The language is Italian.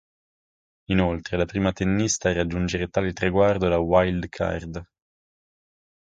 Inoltre, è la prima tennista a raggiungere tale traguardo da "wild card".